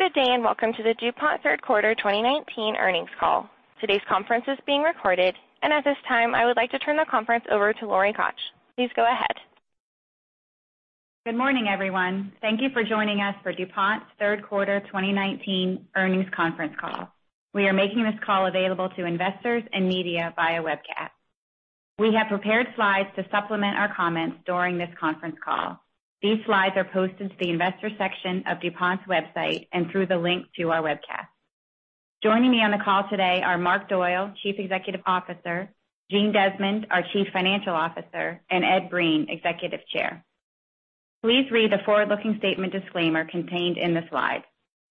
Good day, and welcome to the DuPont third quarter 2019 earnings call. Today's conference is being recorded, and at this time, I would like to turn the conference over to Lori Koch. Please go ahead. Good morning, everyone. Thank you for joining us for DuPont's third quarter 2019 earnings conference call. We are making this call available to investors and media via webcast. We have prepared slides to supplement our comments during this conference call. These slides are posted to the Investors section of DuPont's website and through the link to our webcast. Joining me on the call today are Marc Doyle, Chief Executive Officer, Gene Desmond, our Chief Financial Officer, and Ed Breen, Executive Chair. Please read the forward-looking statement disclaimer contained in the slide.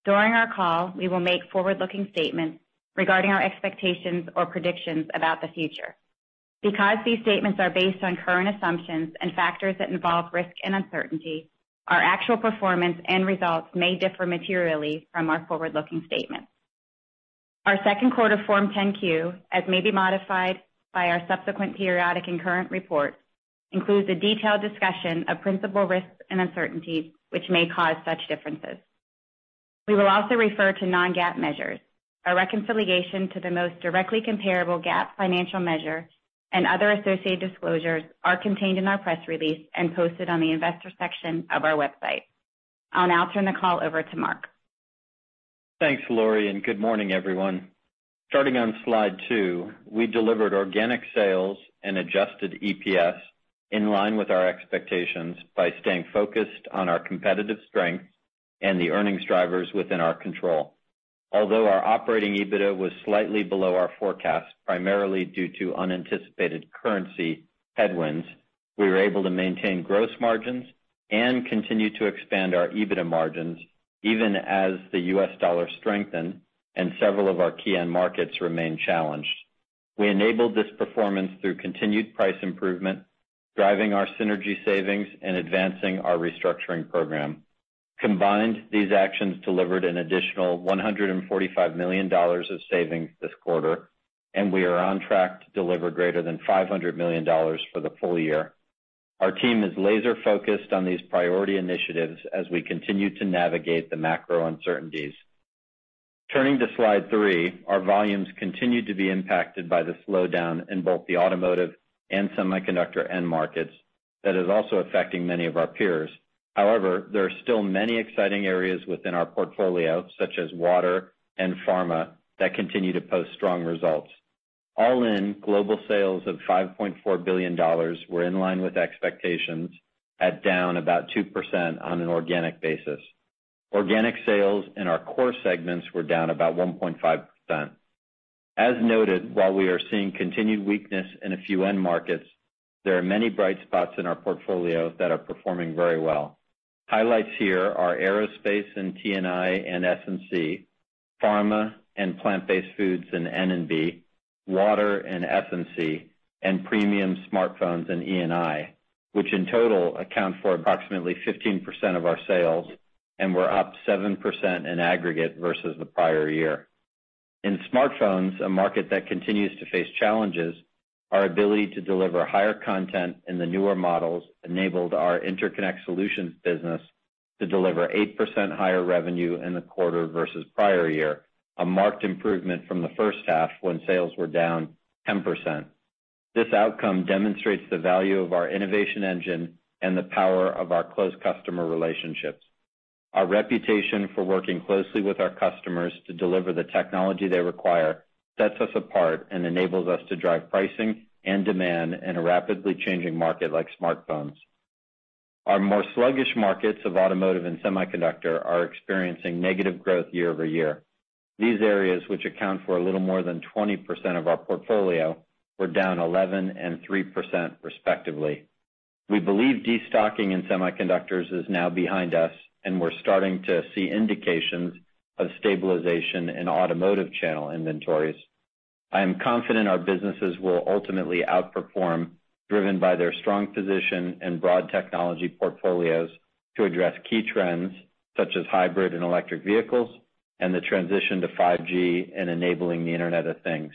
During our call, we will make forward-looking statements regarding our expectations or predictions about the future. Because these statements are based on current assumptions and factors that involve risk and uncertainty, our actual performance and results may differ materially from our forward-looking statements. Our second quarter Form 10-Q, as may be modified by our subsequent periodic and current reports, includes a detailed discussion of principal risks and uncertainties, which may cause such differences. We will also refer to non-GAAP measures. A reconciliation to the most directly comparable GAAP financial measure and other associated disclosures are contained in our press release and posted on the Investors section of our website. I'll now turn the call over to Marc. Thanks, Lori, and good morning, everyone. Starting on slide two, we delivered organic sales and adjusted EPS in line with our expectations by staying focused on our competitive strengths and the earnings drivers within our control. Although our operating EBITDA was slightly below our forecast, primarily due to unanticipated currency headwinds, we were able to maintain gross margins and continue to expand our EBITDA margins even as the U.S. dollar strengthened and several of our key end markets remained challenged. We enabled this performance through continued price improvement, driving our synergy savings, and advancing our restructuring program. Combined, these actions delivered an additional $145 million of savings this quarter, and we are on track to deliver greater than $500 million for the full year. Our team is laser-focused on these priority initiatives as we continue to navigate the macro uncertainties. Turning to slide three, our volumes continued to be impacted by the slowdown in both the automotive and semiconductor end markets that is also affecting many of our peers. There are still many exciting areas within our portfolio, such as water and pharma, that continue to post strong results. All in, global sales of $5.4 billion were in line with expectations at down about 2% on an organic basis. Organic sales in our core segments were down about 1.5%. As noted, while we are seeing continued weakness in a few end markets, there are many bright spots in our portfolio that are performing very well. Highlights here are aerospace in T&I and S&C, pharma and plant-based foods in N&B, water in S&C, and premium smartphones in E&I, which in total account for approximately 15% of our sales and were up 7% in aggregate versus the prior year. In smartphones, a market that continues to face challenges, our ability to deliver higher content in the newer models enabled our Interconnect Solutions business to deliver 8% higher revenue in the quarter versus prior year, a marked improvement from the first half when sales were down 10%. This outcome demonstrates the value of our innovation engine and the power of our close customer relationships. Our reputation for working closely with our customers to deliver the technology they require sets us apart and enables us to drive pricing and demand in a rapidly changing market like smartphones. Our more sluggish markets of automotive and semiconductor are experiencing negative growth year-over-year. These areas, which account for a little more than 20% of our portfolio, were down 11% and 3% respectively. We believe destocking in semiconductors is now behind us, and we're starting to see indications of stabilization in automotive channel inventories. I am confident our businesses will ultimately outperform, driven by their strong position and broad technology portfolios to address key trends such as hybrid and electric vehicles and the transition to 5G and enabling the Internet of Things.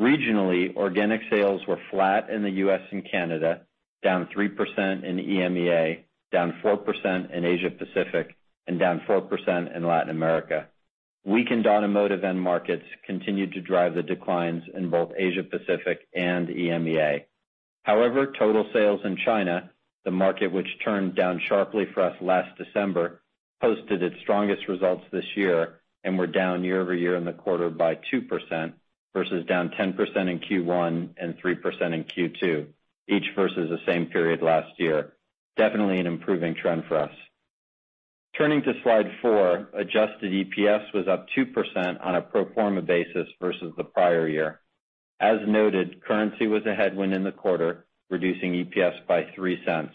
Regionally, organic sales were flat in the U.S. and Canada, down 3% in EMEA, down 4% in Asia Pacific, and down 4% in Latin America. Weakened automotive end markets continued to drive the declines in both Asia Pacific and EMEA. However, total sales in China, the market which turned down sharply for us last December, posted its strongest results this year and were down year-over-year in the quarter by 2%, versus down 10% in Q1 and 3% in Q2, each versus the same period last year. Definitely an improving trend for us. Turning to slide four, adjusted EPS was up 2% on a pro forma basis versus the prior year. As noted, currency was a headwind in the quarter, reducing EPS by $0.03.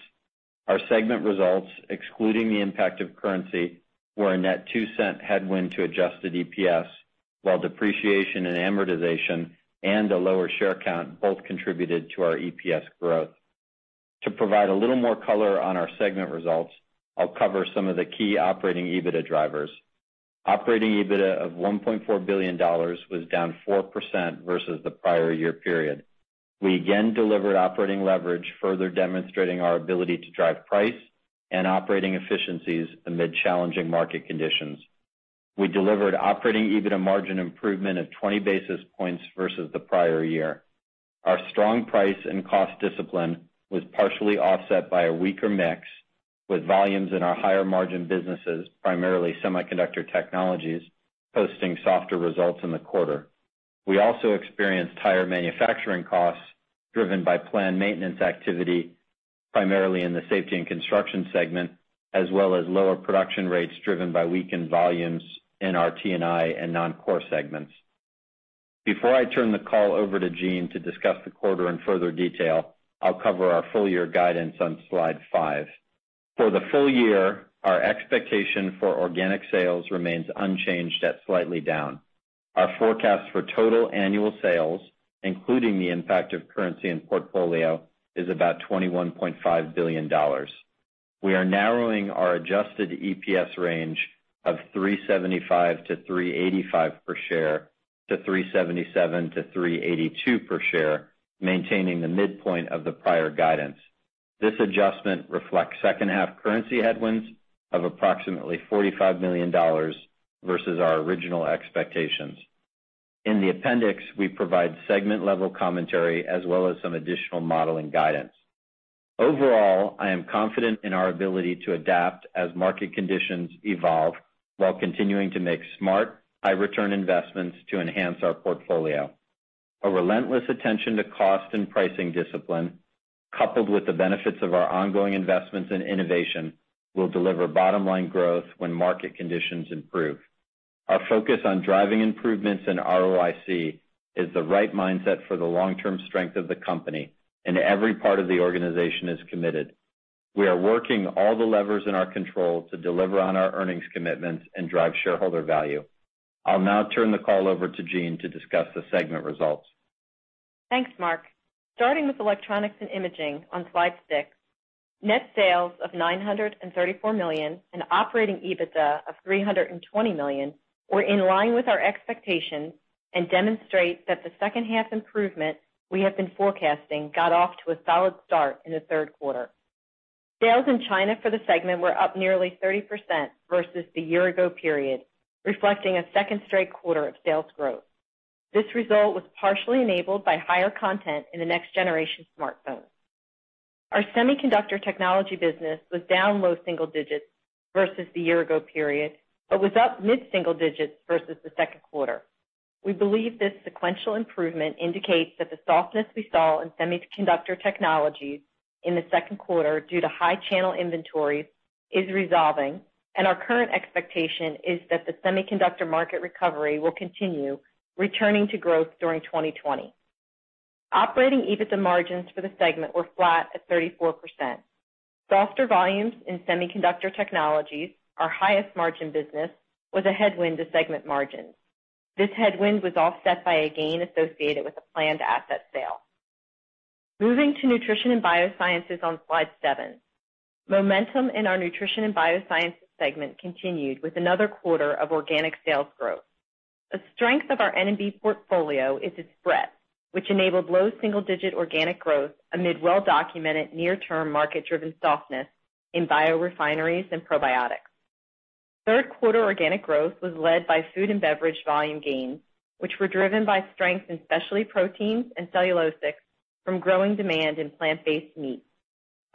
Our segment results, excluding the impact of currency, were a net $0.02 headwind to adjusted EPS, while depreciation and amortization and a lower share count both contributed to our EPS growth. To provide a little more color on our segment results, I'll cover some of the key operating EBITDA drivers. Operating EBITDA of $1.4 billion was down 4% versus the prior year period. We again delivered operating leverage, further demonstrating our ability to drive price and operating efficiencies amid challenging market conditions. We delivered operating EBITDA margin improvement of 20 basis points versus the prior year. Our strong price and cost discipline was partially offset by a weaker mix, with volumes in our higher-margin businesses, primarily Semiconductor Technologies, posting softer results in the quarter. We also experienced higher manufacturing costs driven by planned maintenance activity, primarily in the Safety & Construction segment, as well as lower production rates driven by weakened volumes in our T&I and Non-Core segments. Before I turn the call over to Jean to discuss the quarter in further detail, I'll cover our full-year guidance on slide five. For the full year, our expectation for organic sales remains unchanged at slightly down. Our forecast for total annual sales, including the impact of currency and portfolio, is about $21.5 billion. We are narrowing our adjusted EPS range of $3.75-$3.85 per share to $3.77-$3.82 per share, maintaining the midpoint of the prior guidance. This adjustment reflects second-half currency headwinds of approximately $45 million versus our original expectations. In the appendix, we provide segment-level commentary as well as some additional modeling guidance. Overall, I am confident in our ability to adapt as market conditions evolve, while continuing to make smart, high-return investments to enhance our portfolio. A relentless attention to cost and pricing discipline, coupled with the benefits of our ongoing investments in innovation, will deliver bottom-line growth when market conditions improve. Our focus on driving improvements in ROIC is the right mindset for the long-term strength of the company, and every part of the organization is committed. We are working all the levers in our control to deliver on our earnings commitments and drive shareholder value. I'll now turn the call over to Jean to discuss the segment results. Thanks, Marc. Starting with Electronics & Imaging on slide six. Net sales of $934 million and operating EBITDA of $320 million were in line with our expectations and demonstrate that the second-half improvement we have been forecasting got off to a solid start in the third quarter. Sales in China for the segment were up nearly 30% versus the year-ago period, reflecting a second straight quarter of sales growth. Our Semiconductor Technologies business was down low single digits versus the year-ago period, but was up mid-single digits versus the second quarter. We believe this sequential improvement indicates that the softness we saw in Semiconductor Technologies in the second quarter due to high channel inventories is resolving. Our current expectation is that the semiconductor market recovery will continue returning to growth during 2020. Operating EBITDA margins for the segment were flat at 34%. Softer volumes in Semiconductor Technologies, our highest-margin business, was a headwind to segment margins. This headwind was offset by a gain associated with the planned asset sale. Moving to Nutrition & Biosciences on slide seven. Momentum in our Nutrition & Biosciences segment continued with another quarter of organic sales growth. The strength of our N&B portfolio is its breadth, which enabled low single-digit organic growth amid well-documented near-term market-driven softness in biorefineries and probiotics. Third-quarter organic growth was led by food and beverage volume gains, which were driven by strength in specialty proteins and cellulosics from growing demand in plant-based meat.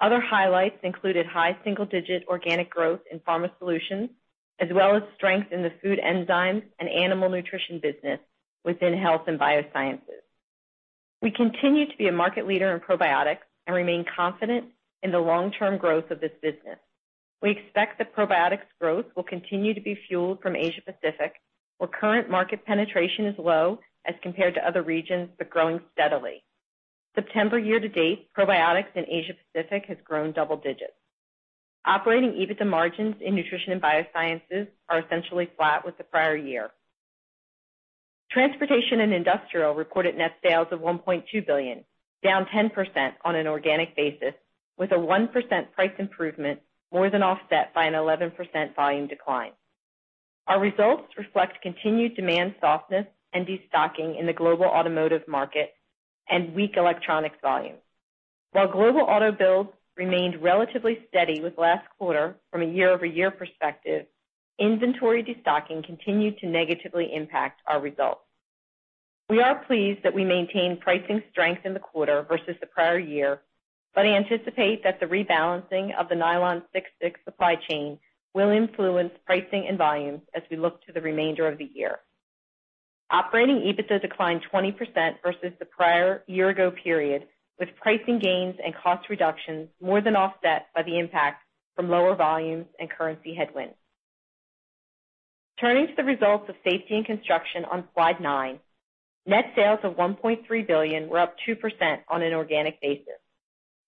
Other highlights included high single-digit organic growth in Pharma Solutions, as well as strength in the food enzymes and Animal Nutrition business within Health & Biosciences. We continue to be a market leader in probiotics and remain confident in the long-term growth of this business. We expect that probiotics growth will continue to be fueled from Asia Pacific, where current market penetration is low as compared to other regions, but growing steadily. September year-to-date, probiotics in Asia Pacific has grown double digits. Operating EBITDA margins in Nutrition & Biosciences are essentially flat with the prior year. Transportation and Industrial reported net sales of $1.2 billion, down 10% on an organic basis, with a 1% price improvement more than offset by an 11% volume decline. Our results reflect continued demand softness and destocking in the global automotive market and weak electronics volumes. While global auto builds remained relatively steady with last quarter from a year-over-year perspective, inventory destocking continued to negatively impact our results. We are pleased that we maintained pricing strength in the quarter versus the prior year, but anticipate that the rebalancing of the Nylon 6,6 supply chain will influence pricing and volumes as we look to the remainder of the year. Operating EBITDA declined 20% versus the prior year-ago period, with pricing gains and cost reductions more than offset by the impact from lower volumes and currency headwinds. Turning to the results of Safety & Construction on slide nine. Net sales of $1.3 billion were up 2% on an organic basis.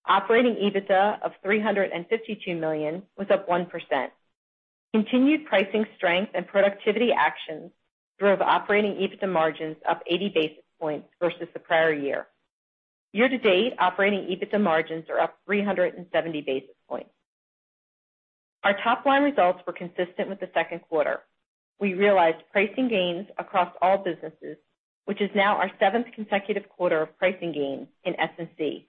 Operating EBITDA of $352 million was up 1%. Continued pricing strength and productivity actions drove operating EBITDA margins up 80 basis points versus the prior year. Year-to-date operating EBITDA margins are up 370 basis points. Our top-line results were consistent with the second quarter. We realized pricing gains across all businesses, which is now our seventh consecutive quarter of pricing gains in S&C.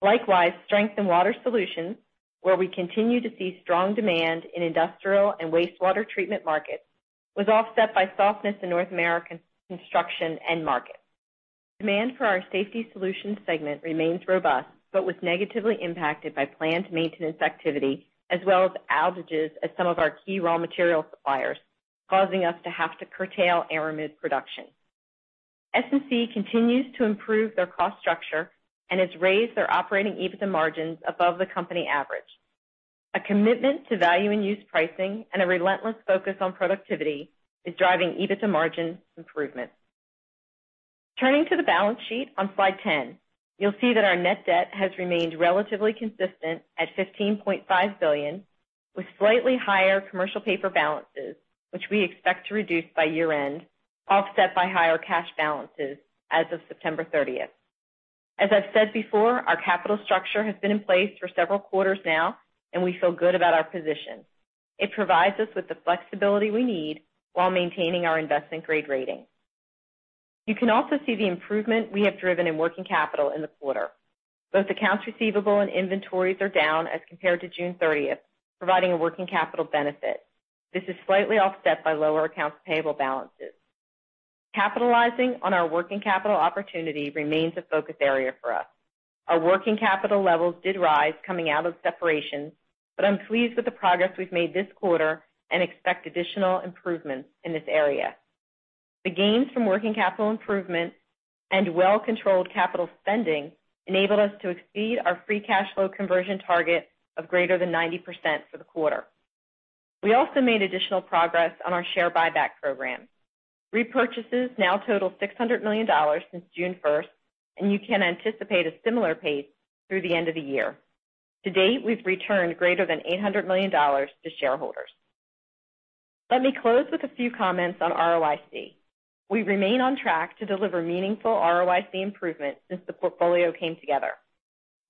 Likewise, strength in Water Solutions, where we continue to see strong demand in industrial and wastewater treatment markets, was offset by softness in North American construction end markets. Demand for our Safety Solutions segment remains robust, but was negatively impacted by planned maintenance activity as well as outages at some of our key raw material suppliers, causing us to have to curtail Aramid production. S&C continues to improve their cost structure and has raised their operating EBITDA margins above the company average. A commitment to value-in-use pricing and a relentless focus on productivity is driving EBITDA margin improvement. Turning to the balance sheet on slide 10, you'll see that our net debt has remained relatively consistent at $15.5 billion, with slightly higher commercial paper balances, which we expect to reduce by year-end, offset by higher cash balances as of September 30th. As I've said before, our capital structure has been in place for several quarters now, and we feel good about our position. It provides us with the flexibility we need while maintaining our investment-grade rating. You can also see the improvement we have driven in working capital in the quarter. Both accounts receivable and inventories are down as compared to June 30th, providing a working capital benefit. This is slightly offset by lower accounts payable balances. Capitalizing on our working capital opportunity remains a focus area for us. Our working capital levels did rise coming out of separation, but I'm pleased with the progress we've made this quarter and expect additional improvements in this area. The gains from working capital improvement and well-controlled capital spending enabled us to exceed our free cash flow conversion target of greater than 90% for the quarter. We also made additional progress on our share buyback program. Repurchases now total $600 million since June 1st, and you can anticipate a similar pace through the end of the year. To date, we've returned greater than $800 million to shareholders. Let me close with a few comments on ROIC. We remain on track to deliver meaningful ROIC improvement since the portfolio came together.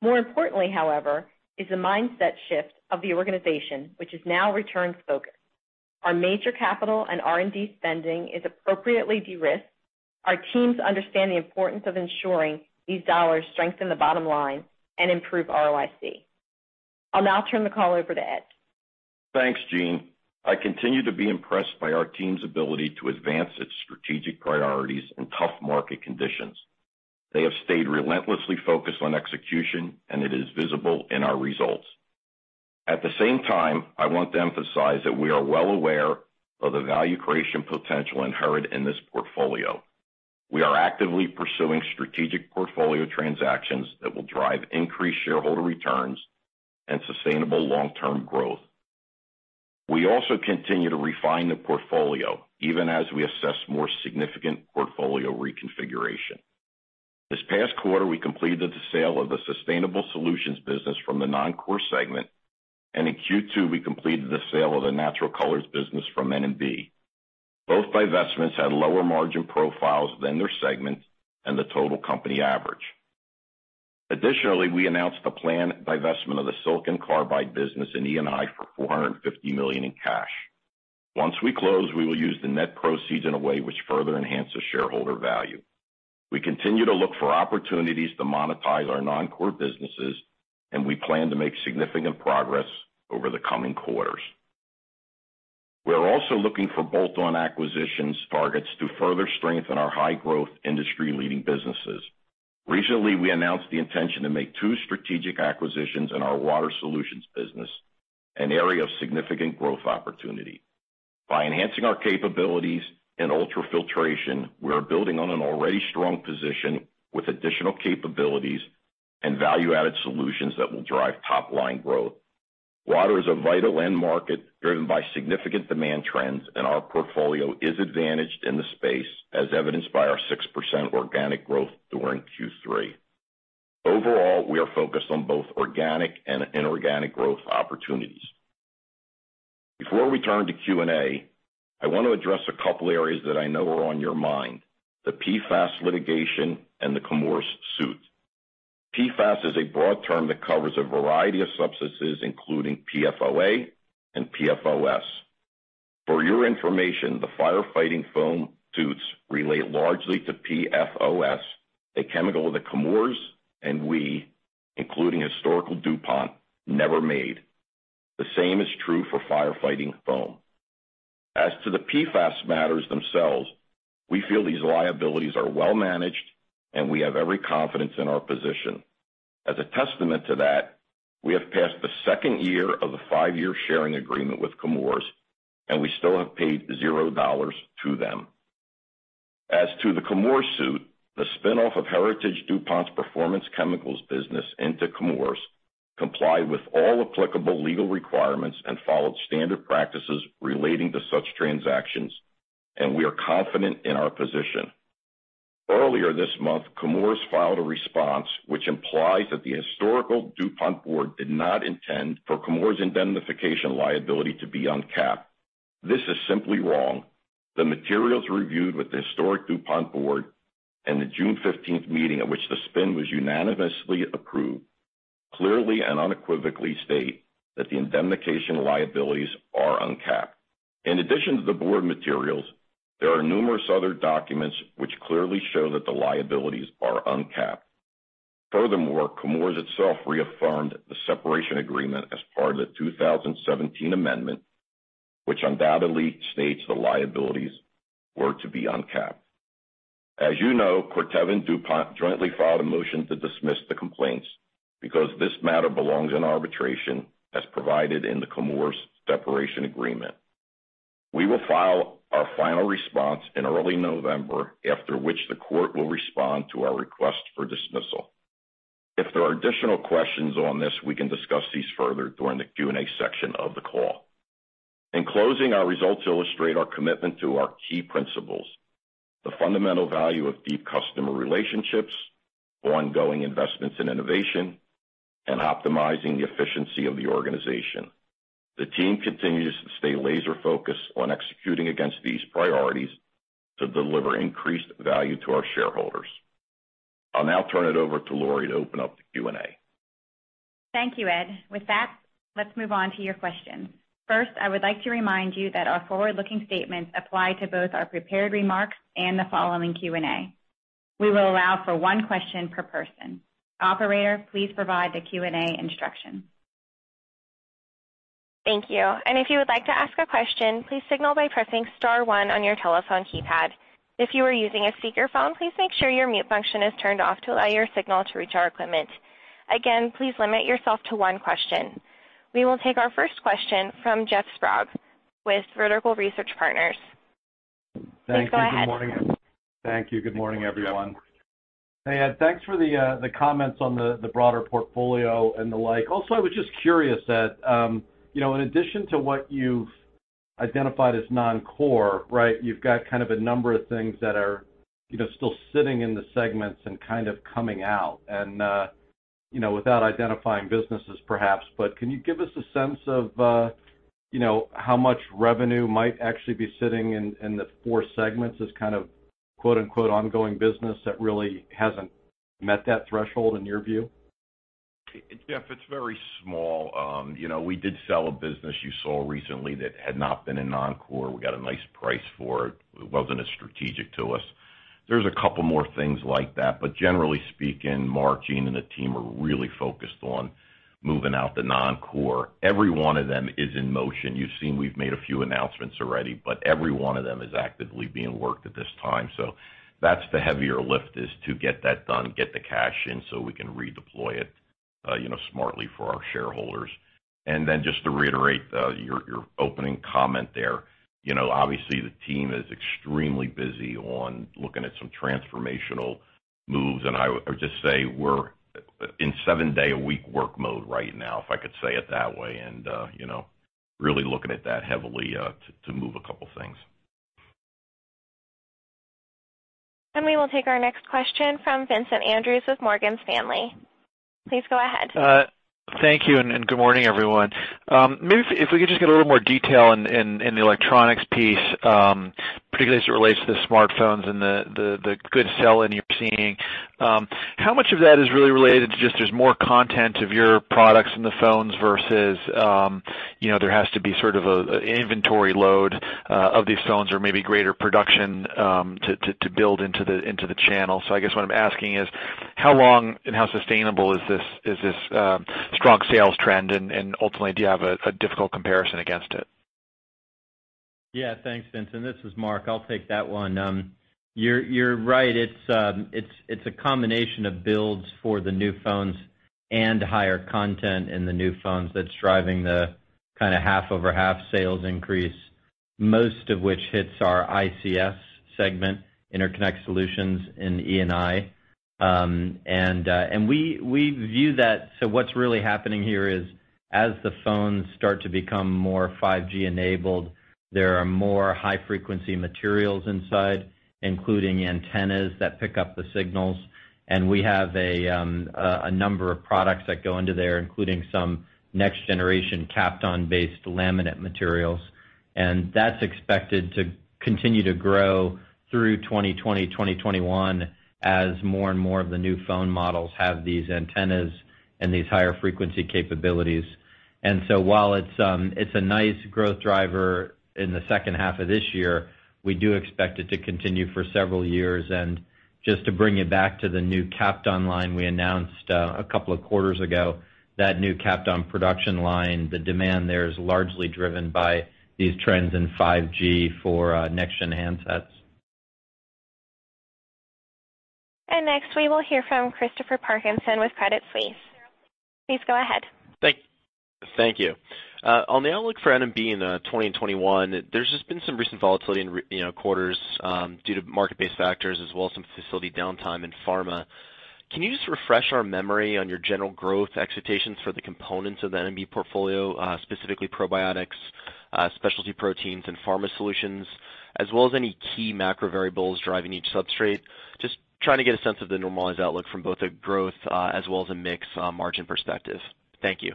More importantly, however, is the mindset shift of the organization, which is now returns-focused. Our major capital and R&D spending is appropriately de-risked. Our teams understand the importance of ensuring these dollars strengthen the bottom line and improve ROIC. I'll now turn the call over to Ed. Thanks, Jean. I continue to be impressed by our team's ability to advance its strategic priorities in tough market conditions. They have stayed relentlessly focused on execution, and it is visible in our results. At the same time, I want to emphasize that we are well aware of the value creation potential inherent in this portfolio. We are actively pursuing strategic portfolio transactions that will drive increased shareholder returns and sustainable long-term growth. We also continue to refine the portfolio even as we assess more significant portfolio reconfiguration. This past quarter, we completed the sale of the Sustainable Solutions business from the Non-Core segment, and in Q2, we completed the sale of the Natural Colors business from N&B. Both divestments had lower margin profiles than their segments and the total company average. Additionally, we announced the planned divestment of the Silicon Carbide business in E&I for $450 million in cash. Once we close, we will use the net proceeds in a way which further enhances shareholder value. We continue to look for opportunities to monetize our Non-Core businesses, and we plan to make significant progress over the coming quarters. We are also looking for bolt-on acquisitions targets to further strengthen our high-growth, industry-leading businesses. Recently, we announced the intention to make two strategic acquisitions in our Water Solutions business, an area of significant growth opportunity. By enhancing our capabilities in ultrafiltration, we are building on an already strong position with additional capabilities and value-added solutions that will drive top-line growth. Water is a vital end market driven by significant demand trends, and our portfolio is advantaged in the space, as evidenced by our 6% organic growth during Q3. Overall, we are focused on both organic and inorganic growth opportunities. Before we turn to Q&A, I want to address a couple areas that I know are on your mind, the PFAS litigation and the Chemours suit. PFAS is a broad term that covers a variety of substances, including PFOA and PFOS. For your information, the firefighting foam suits relate largely to PFOS, a chemical that Chemours and we, including historical DuPont, never made. The same is true for firefighting foam. As to the PFAS matters themselves, we feel these liabilities are well managed, and we have every confidence in our position. As a testament to that, we have passed the second year of the five-year sharing agreement with Chemours, and we still have paid $0 to them. As to the Chemours suit, the spin-off of Heritage DuPont's Performance Chemicals business into Chemours complied with all applicable legal requirements and followed standard practices relating to such transactions, and we are confident in our position. Earlier this month, Chemours filed a response, which implies that the historical DuPont board did not intend for Chemours' indemnification liability to be uncapped. This is simply wrong. The materials reviewed with the historic DuPont board in the June 15th meeting at which the spin was unanimously approved, clearly and unequivocally state that the indemnification liabilities are uncapped. In addition to the board materials, there are numerous other documents which clearly show that the liabilities are uncapped. Furthermore, Chemours itself reaffirmed the separation agreement as part of the 2017 amendment, which undoubtedly states the liabilities were to be uncapped. As you know, Corteva and DuPont jointly filed a motion to dismiss the complaints because this matter belongs in arbitration as provided in the Chemours separation agreement. We will file our final response in early November, after which the court will respond to our request for dismissal. If there are additional questions on this, we can discuss these further during the Q&A section of the call. In closing, our results illustrate our commitment to our key principles, the fundamental value of deep customer relationships, ongoing investments in innovation, and optimizing the efficiency of the organization. The team continues to stay laser-focused on executing against these priorities to deliver increased value to our shareholders. I'll now turn it over to Lori to open up the Q&A. Thank you, Ed. With that, let's move on to your questions. First, I would like to remind you that our forward-looking statements apply to both our prepared remarks and the following Q&A. We will allow for one question per person. Operator, please provide the Q&A instructions. Thank you. If you would like to ask a question, please signal by pressing star one on your telephone keypad. If you are using a speakerphone, please make sure your mute function is turned off to allow your signal to reach our equipment. Again, please limit yourself to one question. We will take our first question from Jeff Sprague with Vertical Research Partners. Please go ahead. Thank you. Good morning, everyone. Hey, Ed, thanks for the comments on the broader portfolio and the like. I was just curious that in addition to what you've identified as non-core, you've got kind of a number of things that are still sitting in the segments and kind of coming out. Without identifying businesses perhaps, can you give us a sense of how much revenue might actually be sitting in the four segments as kind of "ongoing business" that really hasn't met that threshold in your view? Jeff, it's very small. We did sell a business you saw recently that had not been in Non-Core. We got a nice price for it. It wasn't as strategic to us. There's a couple more things like that, but generally speaking, Marc, Jean, and the team are really focused on moving out the Non-Core. Every one of them is in motion. You've seen we've made a few announcements already, but every one of them is actively being worked at this time. That's the heavier lift is to get that done, get the cash in so we can redeploy it smartly for our shareholders. Just to reiterate your opening comment there, obviously the team is extremely busy on looking at some transformational moves, and I would just say we're in seven-day-a-week work mode right now, if I could say it that way, and really looking at that heavily to move a couple of things. We will take our next question from Vincent Andrews with Morgan Stanley. Please go ahead. Thank you. Good morning, everyone. Maybe if we could just get a little more detail in the electronics piece, particularly as it relates to the smartphones and the good sell-in you're seeing. How much of that is really related to just there's more content of your products in the phones versus there has to be sort of an inventory load of these phones or maybe greater production to build into the channel. I guess what I'm asking is, how long and how sustainable is this strong sales trend? Ultimately, do you have a difficult comparison against it? Thanks, Vincent. This is Marc. I'll take that one. You're right. It's a combination of builds for the new phones and higher content in the new phones that's driving the kind of half-over-half sales increase, most of which hits our ICS segment, Interconnect Solutions in E&I. We view that, what's really happening here is as the phones start to become more 5G enabled, there are more high-frequency materials inside, including antennas that pick up the signals. We have a number of products that go into there, including some next-generation Kapton-based laminate materials. That's expected to continue to grow through 2020, 2021 as more and more of the new phone models have these antennas and these higher frequency capabilities. While it's a nice growth driver in the second half of this year, we do expect it to continue for several years, and just to bring it back to the new Kapton line we announced a couple of quarters ago, that new Kapton production line, the demand there is largely driven by these trends in 5G for next-gen handsets. Next, we will hear from Christopher Parkinson with Credit Suisse. Please go ahead. Thank you. On the outlook for N&B in 2021, there's just been some recent volatility in quarters due to market-based factors as well as some facility downtime in pharma. Can you just refresh our memory on your general growth expectations for the components of the N&B portfolio, specifically probiotics, specialty proteins, and Pharma Solutions, as well as any key macro variables driving each substrate. Just trying to get a sense of the normalized outlook from both a growth as well as a mix margin perspective. Thank you.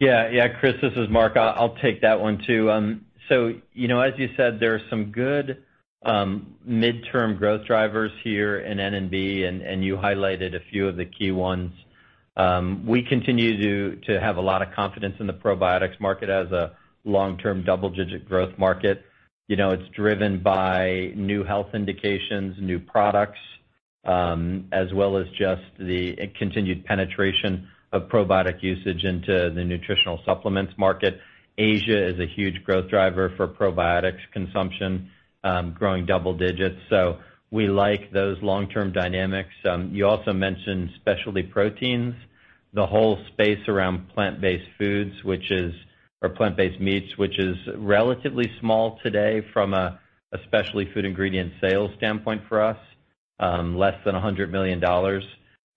Yeah, Chris, this is Marc. I'll take that one too. As you said, there are some good midterm growth drivers here in N&B, and you highlighted a few of the key ones. We continue to have a lot of confidence in the probiotics market as a long-term double-digit growth market. It's driven by new health indications, new products, as well as just the continued penetration of probiotic usage into the nutritional supplements market. Asia is a huge growth driver for probiotics consumption, growing double digits. We like those long-term dynamics. You also mentioned specialty proteins. The whole space around plant-based foods, or plant-based meats, which is relatively small today from a specialty food ingredient sales standpoint for us, less than $100 million.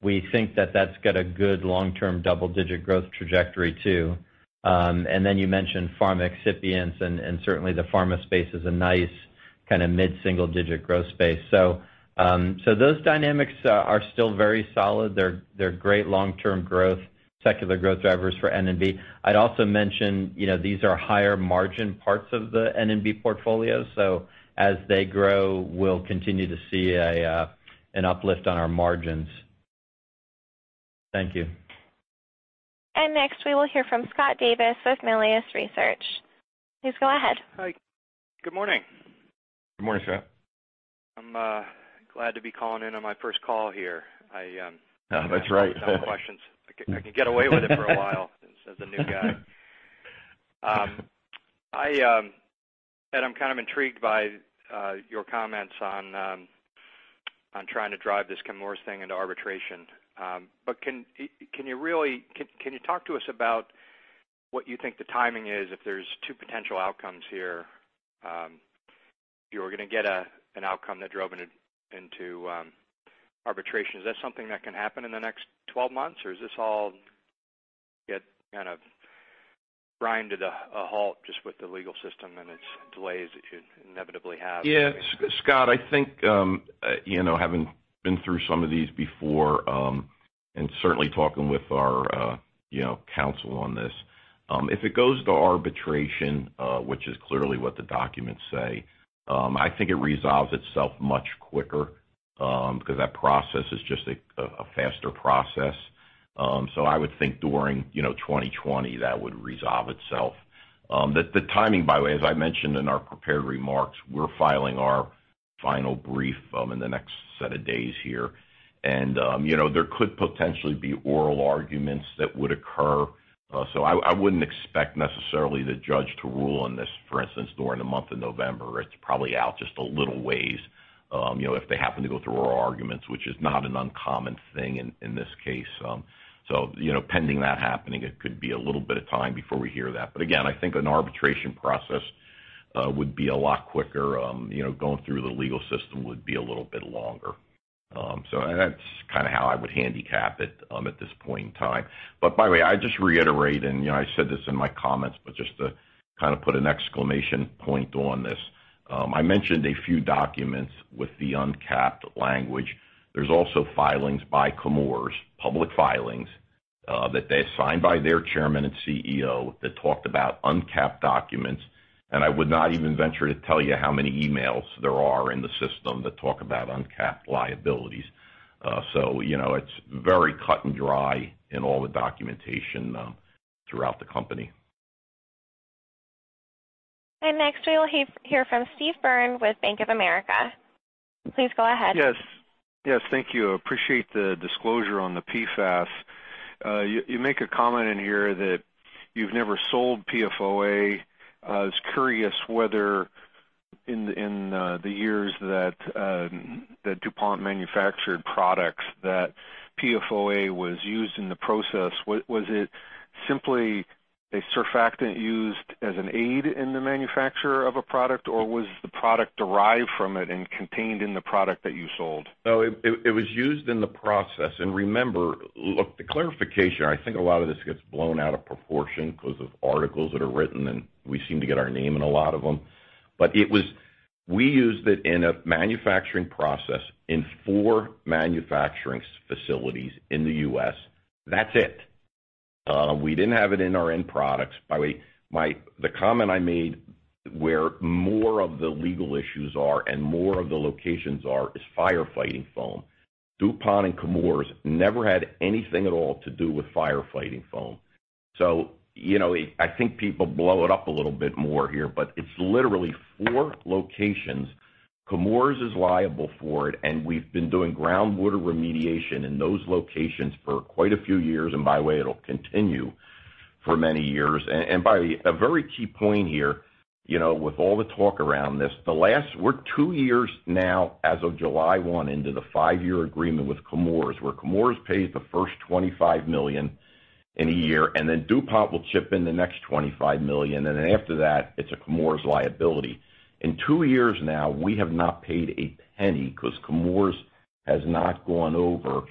We think that that's got a good long-term double-digit growth trajectory, too. You mentioned pharma excipients, and certainly the pharma space is a nice kind of mid-single digit growth space. Those dynamics are still very solid. They're great long-term growth, secular growth drivers for N&B. I'd also mention, these are higher margin parts of the N&B portfolio, so as they grow, we'll continue to see an uplift on our margins. Thank you. Next we will hear from Scott Davis with Melius Research. Please go ahead. Hi. Good morning. Good morning, Scott. I'm glad to be calling in on my first call here. That's right. I have questions. I can get away with it for a while, as the new guy. Ed, I'm kind of intrigued by your comments on trying to drive this Chemours thing into arbitration. Can you talk to us about what you think the timing is if there's two potential outcomes here? You were going to get an outcome that drove it into arbitration. Is that something that can happen in the next 12 months? Or is this all get kind of grind to a halt just with the legal system and its delays that you inevitably have? Yeah. Scott, I think, having been through some of these before, and certainly talking with our counsel on this, if it goes to arbitration, which is clearly what the documents say, I think it resolves itself much quicker, because that process is just a faster process. I would think during 2020, that would resolve itself. The timing, by the way, as I mentioned in our prepared remarks, we're filing our final brief in the next set of days here. There could potentially be oral arguments that would occur. I wouldn't expect necessarily the judge to rule on this, for instance, during the month of November. It's probably out just a little ways, if they happen to go through oral arguments, which is not an uncommon thing in this case. Pending that happening, it could be a little bit of time before we hear that. Again, I think an arbitration process would be a lot quicker. Going through the legal system would be a little bit longer. That's kind of how I would handicap it at this point in time. By the way, I just reiterate, and I said this in my comments, but just to kind of put an exclamation point on this. I mentioned a few documents with the uncapped language. There are also filings by Chemours, public filings, that they signed by their Chairman and CEO that talked about uncapped documents, and I would not even venture to tell you how many emails there are in the system that talk about uncapped liabilities. It's very cut and dry in all the documentation throughout the company. Next we will hear from Steve Byrne with Bank of America. Please go ahead. Yes. Thank you. I appreciate the disclosure on the PFAS. You make a comment in here that you've never sold PFOA. I was curious whether in the years that DuPont manufactured products, that PFOA was used in the process. Was it simply a surfactant used as an aid in the manufacture of a product, or was the product derived from it and contained in the product that you sold? No, it was used in the process. Remember, look, the clarification, I think a lot of this gets blown out of proportion because of articles that are written, and we seem to get our name in a lot of them. We used it in a manufacturing process in four manufacturing facilities in the U.S. That's it. We didn't have it in our end products. By the way, the comment I made where more of the legal issues are and more of the locations are, is firefighting foam. DuPont and Chemours never had anything at all to do with firefighting foam. I think people blow it up a little bit more here, but it's literally four locations. Chemours is liable for it, and we've been doing groundwater remediation in those locations for quite a few years. By the way, it'll continue for many years. By the way, a very key point here, with all the talk around this, we're two years now as of July 1 into the five-year agreement with Chemours, where Chemours pays the first $25 million in a year, and then DuPont will chip in the next $25 million, and then after that, it's a Chemours liability. In two years now, we have not paid a penny because Chemours has not gone over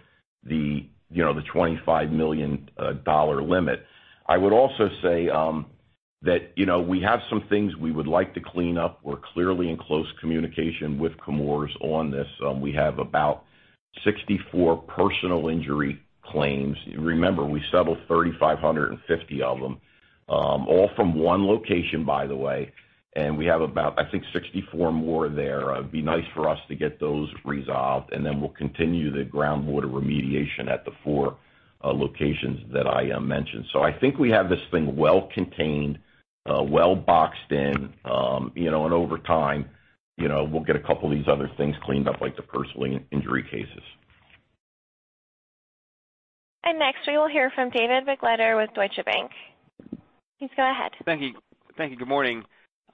the $25 million limit. I would also say that we have some things we would like to clean up. We're clearly in close communication with Chemours on this. We have about 64 personal injury claims. Remember, we settled 3,550 of them, all from one location, by the way, and we have about, I think, 64 more there. It'd be nice for us to get those resolved, and then we'll continue the groundwater remediation at the four locations that I mentioned. I think we have this thing well-contained, well boxed in. Over time, we'll get a couple of these other things cleaned up, like the personal injury cases. Next, we will hear from David Begleiter with Deutsche Bank. Please go ahead. Thank you. Good morning. Good morning.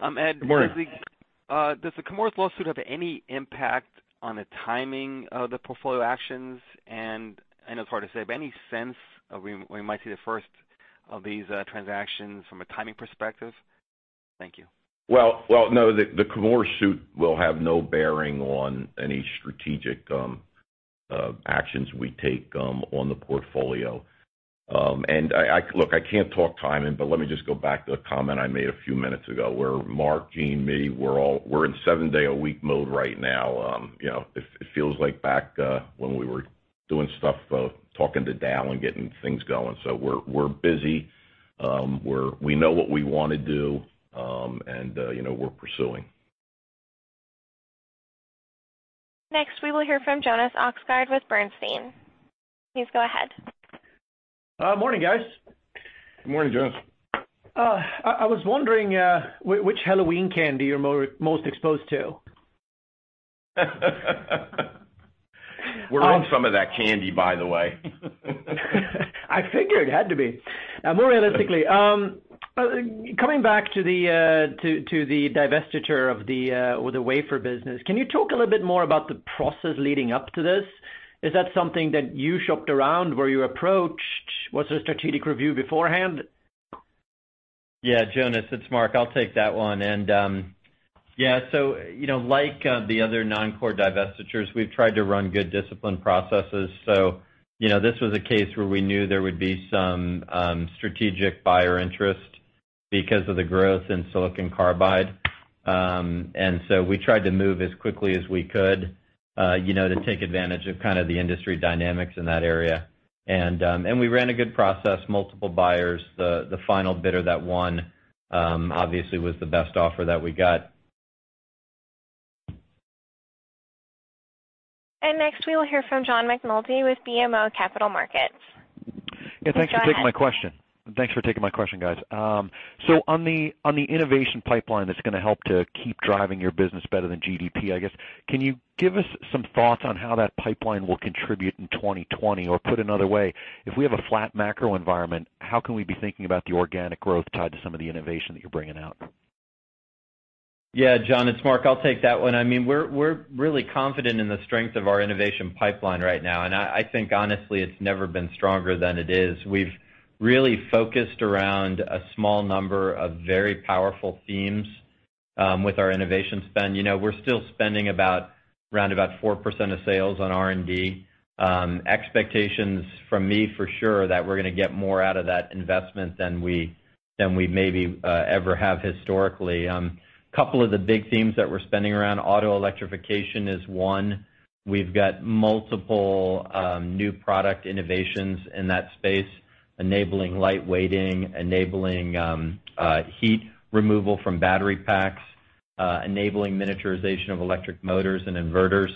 Ed, does the Chemours lawsuit have any impact on the timing of the portfolio actions? I know it's hard to say, but any sense of when we might see the first of these transactions from a timing perspective? Thank you. Well, no, the Chemours suit will have no bearing on any strategic actions we take on the portfolio. Look, I can't talk timing, but let me just go back to a comment I made a few minutes ago, where Marc, Jean, me, we're in seven-day-a-week mode right now. It feels like back when we were doing stuff, talking to Dow and getting things going. We're busy. We know what we want to do, and we're pursuing. Next, we will hear from Jonas Oxgaard with Bernstein. Please go ahead. Morning, guys. Good morning, Jonas. I was wondering which Halloween candy you're most exposed to. We're in some of that candy, by the way. I figured it had to be. More realistically, coming back to the divestiture of the wafer business, can you talk a little bit more about the process leading up to this? Is that something that you shopped around? Were you approached? Was there a strategic review beforehand? Yeah, Jonas, it's Marc. I'll take that one. Yeah, like the other Non-Core divestitures, we've tried to run good discipline processes. This was a case where we knew there would be some strategic buyer interest because of the growth in silicon carbide. We tried to move as quickly as we could to take advantage of the industry dynamics in that area. We ran a good process, multiple buyers. The final bidder that won obviously was the best offer that we got. Next we will hear from John McNulty with BMO Capital Markets. Please go ahead. Yeah. Thank you for taking my question, guys. On the innovation pipeline that's going to help to keep driving your business better than GDP, I guess, can you give us some thoughts on how that pipeline will contribute in 2020? Put another way, if we have a flat macro environment, how can we be thinking about the organic growth tied to some of the innovation that you're bringing out? Yeah, John, it's Marc. I'll take that one. We're really confident in the strength of our innovation pipeline right now. I think honestly, it's never been stronger than it is. We've really focused around a small number of very powerful themes with our innovation spend. We're still spending around about 4% of sales on R&D. Expectations from me for sure, that we're going to get more out of that investment than we maybe ever have historically. Couple of the big themes that we're spending around, auto electrification is one. We've got multiple new product innovations in that space, enabling light weighting, enabling heat removal from battery packs, enabling miniaturization of electric motors and inverters,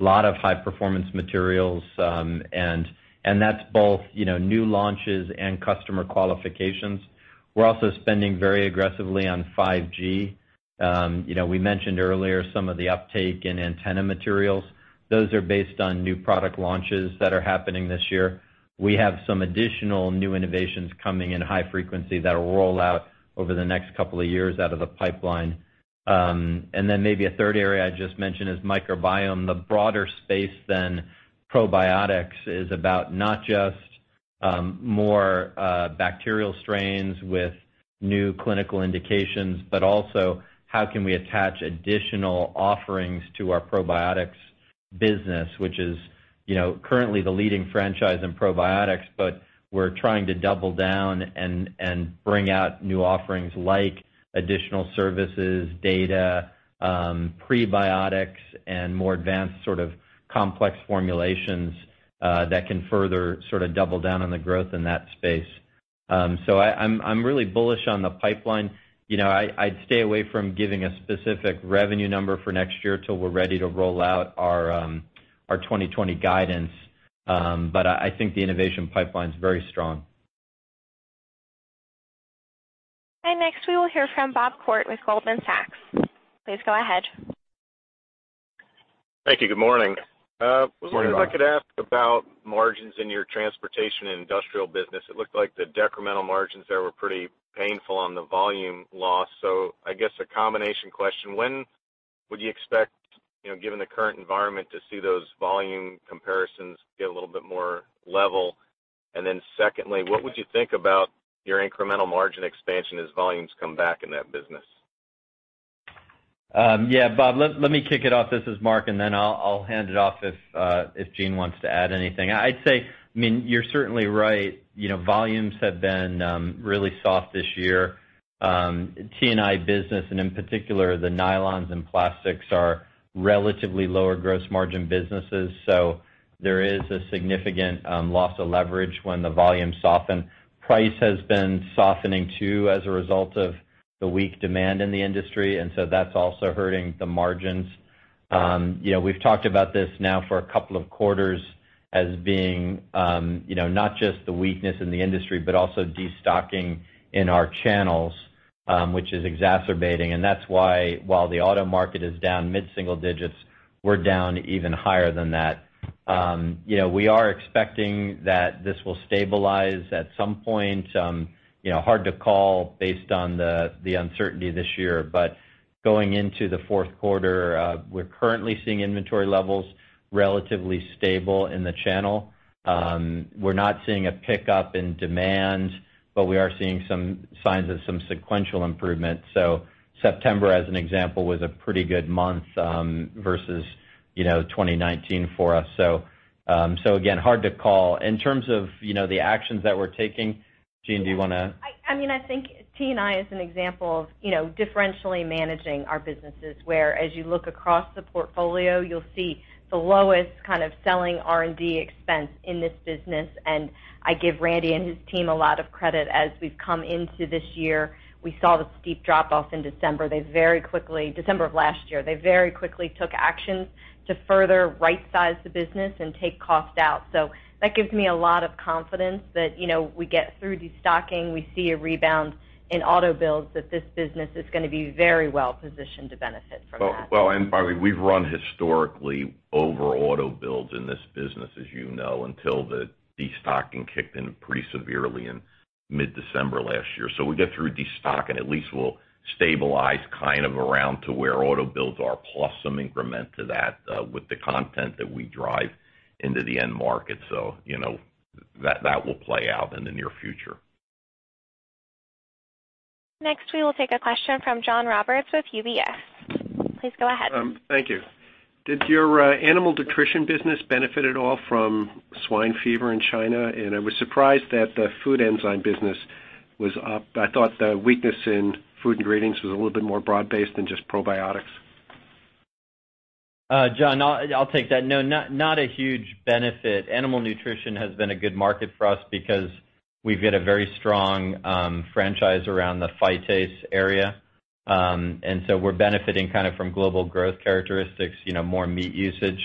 a lot of high-performance materials. That's both new launches and customer qualifications. We're also spending very aggressively on 5G. We mentioned earlier some of the uptake in antenna materials. Those are based on new product launches that are happening this year. We have some additional new innovations coming in high frequency that will roll out over the next couple of years out of the pipeline. Then maybe a third area I'd just mention is microbiome. The broader space than probiotics is about not just more bacterial strains with new clinical indications, but also how can we attach additional offerings to our probiotics business, which is currently the leading franchise in probiotics, but we're trying to double down and bring out new offerings like additional services, data, prebiotics, and more advanced sort of complex formulations that can further sort of double down on the growth in that space. I'm really bullish on the pipeline. I'd stay away from giving a specific revenue number for next year till we're ready to roll out our 2020 guidance. I think the innovation pipeline's very strong. Next we will hear from Bob Koort with Goldman Sachs. Please go ahead. Thank you. Good morning. Morning, Bob. I wonder if I could ask about margins in your Transportation and Industrial business. It looked like the decremental margins there were pretty painful on the volume loss. I guess a combination question, when would you expect, given the current environment, to see those volume comparisons get a little bit more level? Secondly, what would you think about your incremental margin expansion as volumes come back in that business? Yeah, Bob, let me kick it off. This is Marc, and then I'll hand it off if Jean wants to add anything. I'd say, you're certainly right. Volumes have been really soft this year. T&I business and in particular, the nylons and plastics are relatively lower gross margin businesses, so there is a significant loss of leverage when the volumes soften. Price has been softening too, as a result of the weak demand in the industry, and so that's also hurting the margins. We've talked about this now for a couple of quarters as being not just the weakness in the industry, but also destocking in our channels, which is exacerbating. That's why while the auto market is down mid-single digits, we're down even higher than that. We are expecting that this will stabilize at some point. Hard to call based on the uncertainty this year. Going into the fourth quarter, we're currently seeing inventory levels relatively stable in the channel. We're not seeing a pickup in demand, but we are seeing some signs of some sequential improvement. September, as an example, was a pretty good month, versus 2019 for us. Again, hard to call. In terms of the actions that we're taking, Jean, do you want to. I think T&I is an example of differentially managing our businesses, where as you look across the portfolio, you'll see the lowest kind of selling R&D expense in this business. I give Randy and his team a lot of credit. As we've come into this year, we saw the steep drop-off in December. December of last year, they very quickly took actions to further right-size the business and take cost out. That gives me a lot of confidence that we get through destocking, we see a rebound in auto builds, that this business is going to be very well positioned to benefit from that. By the way, we've run historically over auto builds in this business, as you know, until the destocking kicked in pretty severely in mid-December last year. We get through destocking, at least we'll stabilize kind of around to where auto builds are, plus some increment to that, with the content that we drive into the end market. That will play out in the near future. Next, we will take a question from John Roberts with UBS. Please go ahead. Thank you. Did your Animal Nutrition business benefit at all from swine fever in China? I was surprised that the food enzyme business was up. I thought the weakness in food ingredients was a little bit more broad-based than just probiotics. John, I'll take that. Not a huge benefit. Animal Nutrition has been a good market for us because we've got a very strong franchise around the phytase area. We're benefiting from global growth characteristics, more meat usage.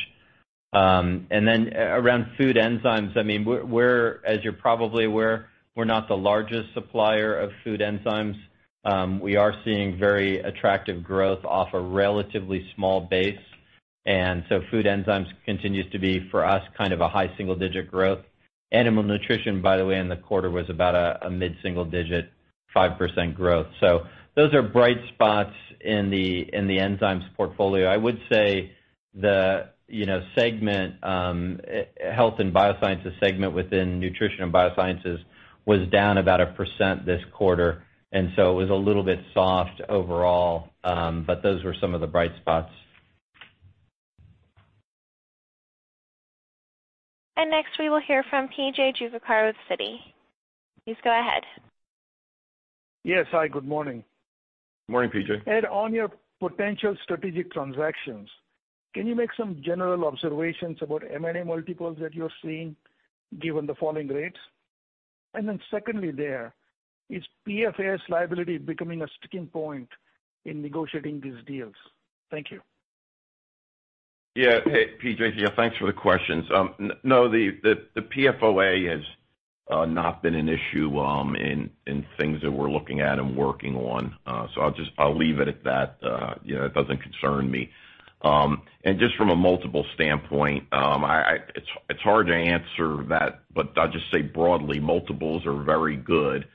Around food enzymes, as you're probably aware, we're not the largest supplier of food enzymes. We are seeing very attractive growth off a relatively small base. Food enzymes continues to be, for us, a high single-digit growth. Animal Nutrition, by the way, in the quarter was about a mid-single digit, 5% growth. Those are bright spots in the enzymes portfolio. I would say the Health & Biosciences segment within Nutrition & Biosciences was down about 1% this quarter, it was a little bit soft overall. Those were some of the bright spots. Next, we will hear from P.J. Juvekar with Citi. Please go ahead. Yes. Hi, good morning. Morning, P.J. Ed, on your potential strategic transactions, can you make some general observations about M&A multiples that you're seeing given the falling rates? Secondly there, is PFAS liability becoming a sticking point in negotiating these deals? Thank you. Yeah. Hey, P.J. Thanks for the questions. No, the PFOA has not been an issue in things that we're looking at and working on. I'll leave it at that. It doesn't concern me. Just from a multiple standpoint, it's hard to answer that, but I'll just say broadly, multiples are very good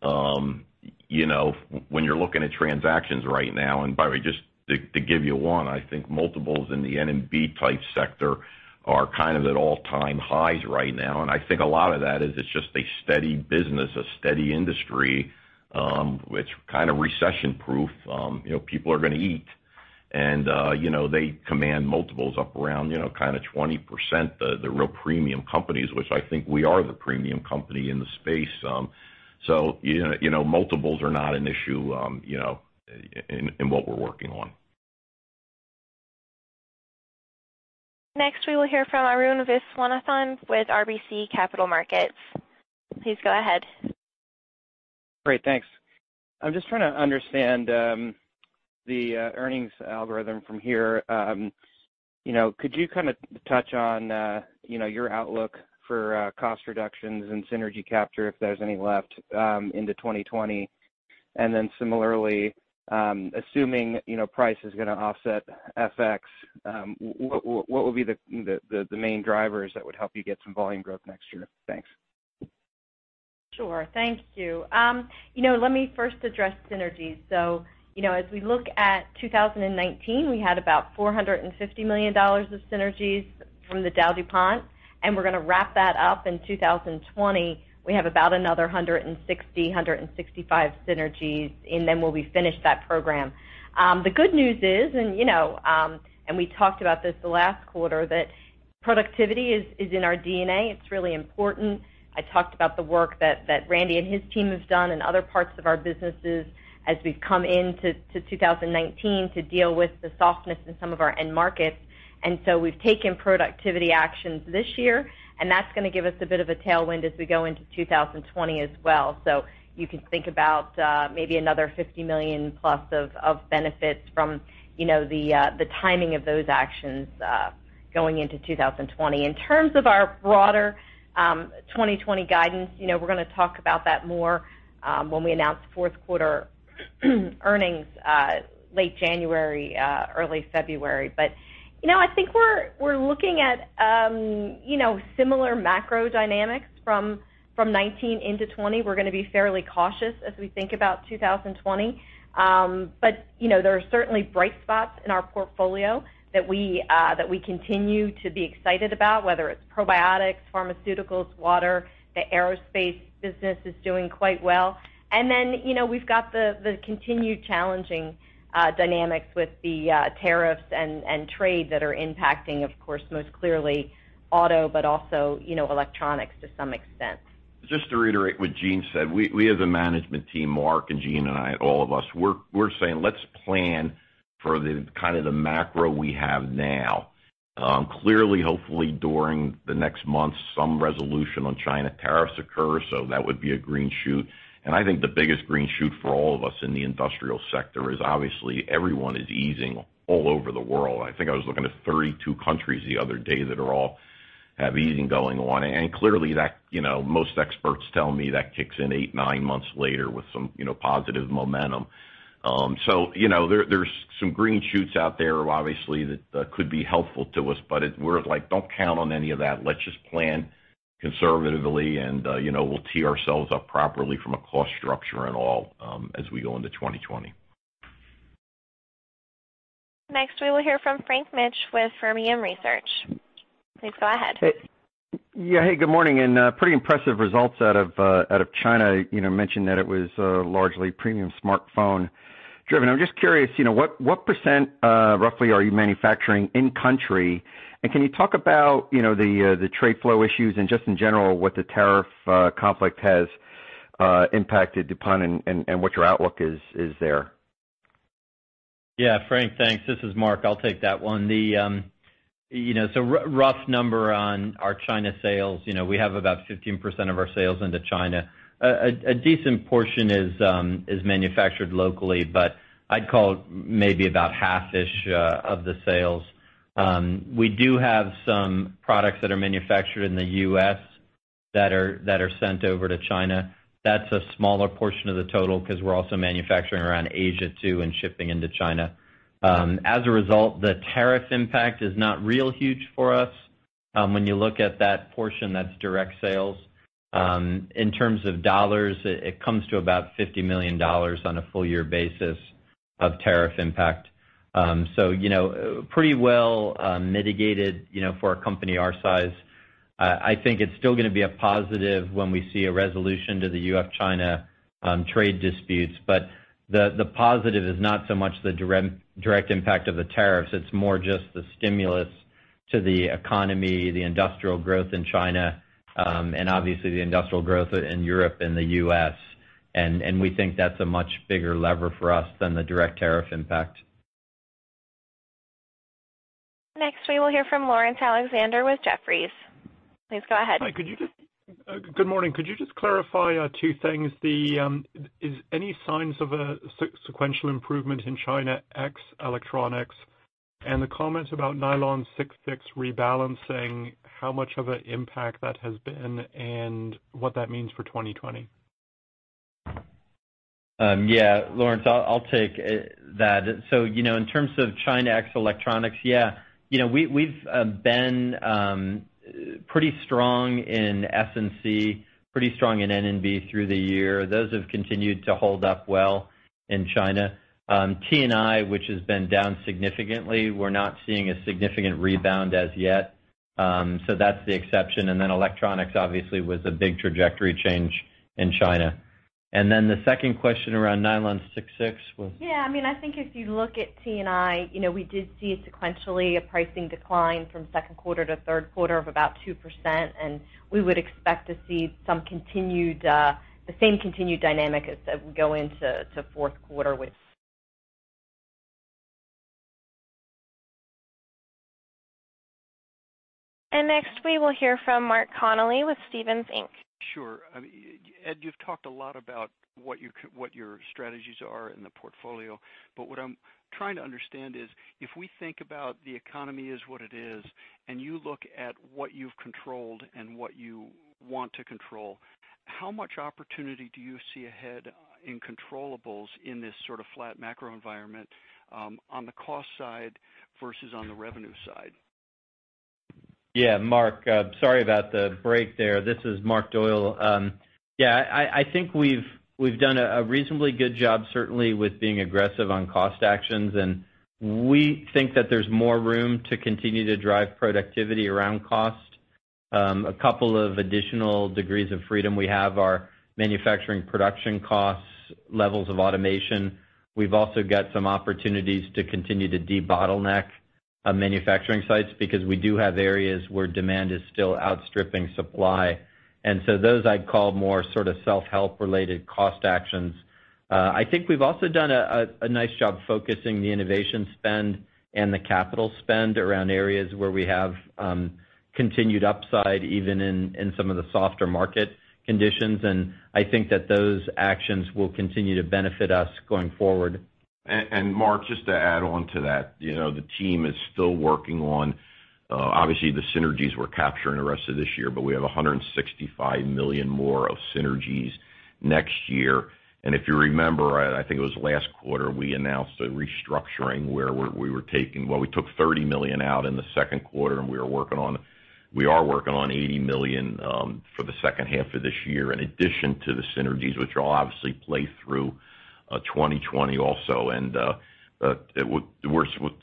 when you're looking at transactions right now. By the way, just to give you one, I think multiples in the N&B type sector are at all-time highs right now. I think a lot of that is it's just a steady business, a steady industry. It's kind of recession-proof. People are going to eat. They command multiples up around 20%, the real premium companies, which I think we are the premium company in the space. Multiples are not an issue in what we're working on. Next, we will hear from Arun Viswanathan with RBC Capital Markets. Please go ahead. Great. Thanks. I'm just trying to understand the earnings algorithm from here. Could you touch on your outlook for cost reductions and synergy capture, if there's any left into 2020? Similarly, assuming price is going to offset FX, what will be the main drivers that would help you get some volume growth next year? Thanks. Sure. Thank you. Let me first address synergies. As we look at 2019, we had about $450 million of synergies from the DowDuPont, and we're going to wrap that up in 2020. We have about another $160 million-$165 million synergies, and then we'll be finished that program. The good news is, and we talked about this the last quarter, that Productivity is in our DNA. It's really important. I talked about the work that Randy and his team have done in other parts of our businesses as we've come into 2019 to deal with the softness in some of our end markets. We've taken productivity actions this year, and that's going to give us a bit of a tailwind as we go into 2020 as well. You can think about maybe another $50 million+ of benefits from the timing of those actions going into 2020. In terms of our broader 2020 guidance, we're going to talk about that more when we announce fourth quarter earnings late January, early February. I think we're looking at similar macro dynamics from 2019 into 2020. We're going to be fairly cautious as we think about 2020. There are certainly bright spots in our portfolio that we continue to be excited about, whether it's probiotics, pharmaceuticals, water. The aerospace business is doing quite well. We've got the continued challenging dynamics with the tariffs and trade that are impacting, of course, most clearly auto, but also electronics to some extent. Just to reiterate what Jean said, we as a management team, Marc and Jean and I, all of us, we're saying let's plan for the macro we have now. Hopefully during the next month, some resolution on China tariffs occur, that would be a green shoot. I think the biggest green shoot for all of us in the industrial sector is obviously everyone is easing all over the world. I think I was looking at 32 countries the other day that all have easing going on. Clearly, most experts tell me that kicks in eight, nine months later with some positive momentum. There's some green shoots out there, obviously, that could be helpful to us, but we're like, "Don't count on any of that. Let's just plan conservatively, and we'll tee ourselves up properly from a cost structure and all as we go into 2020. Next, we will hear from Frank Mitsch with Fermium Research. Please go ahead. Yeah. Hey, good morning, pretty impressive results out of China. You mentioned that it was largely premium smartphone driven. I'm just curious, what % roughly are you manufacturing in country? Can you talk about the trade flow issues and just in general, what the tariff conflict has impacted DuPont and what your outlook is there? Frank, thanks. This is Marc. I'll take that one. Rough number on our China sales, we have about 15% of our sales into China. A decent portion is manufactured locally, but I'd call maybe about half-ish of the sales. We do have some products that are manufactured in the U.S. that are sent over to China. That's a smaller portion of the total because we're also manufacturing around Asia too and shipping into China. As a result, the tariff impact is not real huge for us. When you look at that portion, that's direct sales. In terms of dollars, it comes to about $50 million on a full year basis of tariff impact. Pretty well mitigated, for a company our size. I think it's still going to be a positive when we see a resolution to the U.S.-China trade disputes. The positive is not so much the direct impact of the tariffs. It's more just the stimulus to the economy, the industrial growth in China, and obviously the industrial growth in Europe and the U.S. We think that's a much bigger lever for us than the direct tariff impact. Next, we will hear from Laurence Alexander with Jefferies. Please go ahead. Hi. Good morning. Could you just clarify two things? Is any signs of a sequential improvement in China ex-electronics, and the comments about Nylon 6,6 rebalancing, how much of an impact that has been and what that means for 2020? Yeah, Laurence, I'll take that. In terms of China ex-electronics. We've been pretty strong in S&C, pretty strong in N&B through the year. Those have continued to hold up well in China. T&I, which has been down significantly, we're not seeing a significant rebound as yet. That's the exception. Electronics obviously was a big trajectory change in China. The second question around Nylon 6,6 was? Yeah, I think if you look at T&I, we did see sequentially a pricing decline from second quarter to third quarter of about 2%, and we would expect to see the same continued dynamic as we go into fourth quarter. Next, we will hear from Mark Connelly with Stephens Inc. Sure. Ed, you've talked a lot about what your strategies are in the portfolio, but what I'm trying to understand is if we think about the economy as what it is, and you look at what you've controlled and what you want to control, how much opportunity do you see ahead in controllables in this sort of flat macro environment on the cost side versus on the revenue side? Mark Connelly. Sorry about the break there. This is Marc Doyle. I think we've done a reasonably good job, certainly with being aggressive on cost actions, and we think that there's more room to continue to drive productivity around cost. A couple of additional degrees of freedom we have are manufacturing production costs, levels of automation. We've also got some opportunities to continue to de-bottleneck our manufacturing sites because we do have areas where demand is still outstripping supply. Those I'd call more sort of self-help related cost actions. I think we've also done a nice job focusing the innovation spend and the capital spend around areas where we have continued upside, even in some of the softer market conditions. I think that those actions will continue to benefit us going forward. Mark, just to add on to that, the team is still working on obviously the synergies we're capturing the rest of this year, but we have $165 million more of synergies next year. If you remember, I think it was last quarter, we announced a restructuring where we took $30 million out in the second quarter, and we are working on $80 million for the second half of this year in addition to the synergies, which will obviously play through 2020 also.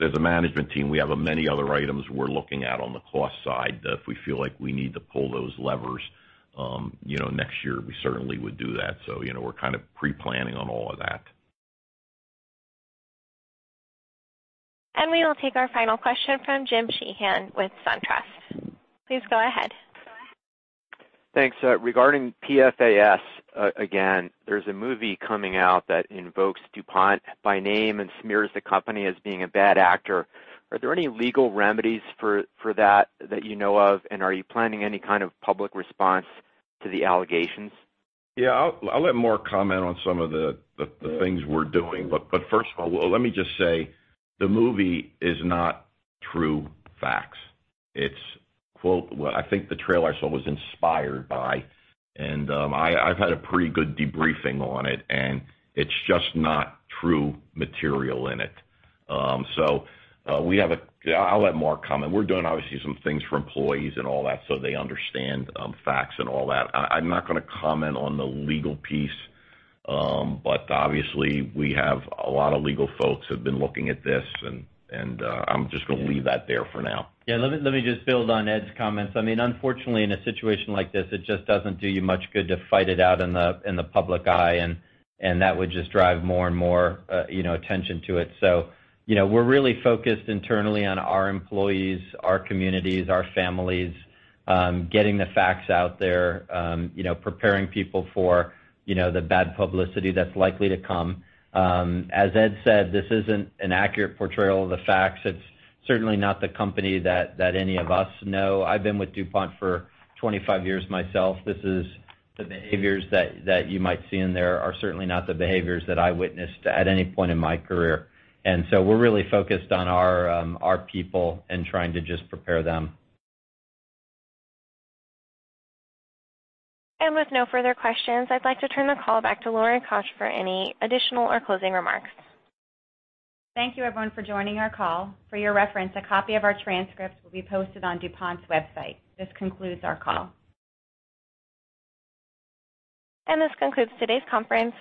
As a management team, we have many other items we're looking at on the cost side. If we feel like we need to pull those levers next year, we certainly would do that. We're kind of pre-planning on all of that. We will take our final question from James Sheehan with SunTrust. Please go ahead. Thanks. Regarding PFAS again, there's a movie coming out that invokes DuPont by name and smears the company as being a bad actor. Are there any legal remedies for that that you know of? Are you planning any kind of public response to the allegations? Yeah, I'll let Marc comment on some of the things we're doing. First of all, let me just say the movie is not true facts. I think the trailer I saw was inspired by, and I've had a pretty good debriefing on it, and it's just not true material in it. I'll let Marc comment. We're doing obviously some things for employees and all that so they understand facts and all that. I'm not going to comment on the legal piece. Obviously, we have a lot of legal folks who've been looking at this, and I'm just going to leave that there for now. Yeah, let me just build on Ed's comments. Unfortunately, in a situation like this, it just doesn't do you much good to fight it out in the public eye, and that would just drive more and more attention to it. We're really focused internally on our employees, our communities, our families, getting the facts out there, preparing people for the bad publicity that's likely to come. As Ed said, this isn't an accurate portrayal of the facts. It's certainly not the company that any of us know. I've been with DuPont for 25 years myself. The behaviors that you might see in there are certainly not the behaviors that I witnessed at any point in my career. We're really focused on our people and trying to just prepare them. With no further questions, I'd like to turn the call back to Lori Koch for any additional or closing remarks. Thank you everyone for joining our call. For your reference, a copy of our transcript will be posted on DuPont's website. This concludes our call. This concludes today's conference.